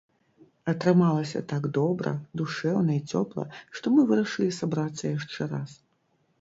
Атрымалася так добра, душэўна і цёпла, што мы вырашылі сабрацца яшчэ раз.